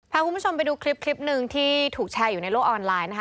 พาคุณผู้ชมไปดูคลิปคลิปหนึ่งที่ถูกแชร์อยู่ในโลกออนไลน์นะคะ